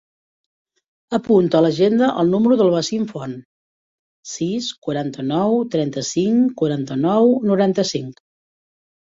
Apunta a l'agenda el número del Wasim Font: sis, quaranta-nou, trenta-cinc, quaranta-nou, noranta-cinc.